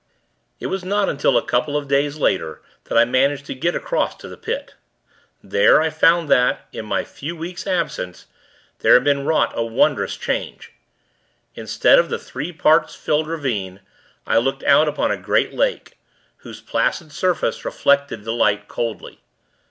It was not until a couple of days later, that I managed to get across to the Pit. There, I found that, in my few weeks' absence, there had been wrought a wondrous change. Instead of the three parts filled ravine, I looked out upon a great lake, whose placid surface, reflected the light, coldly.